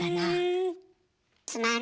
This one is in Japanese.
うん。